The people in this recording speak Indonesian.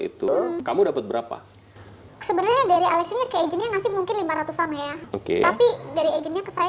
itu kamu dapat berapa sebenarnya dari alexi mungkin lima ratus an ya oke tapi dari aja ke saya